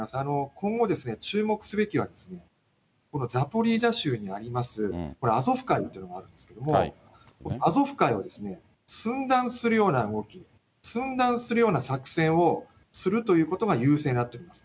今後、注目すべきは、このザポリージャ州にあります、アゾフ海というのがあるんですけど、アゾフ海を寸断するような動き、寸断するような作戦をするということが優勢になってきます。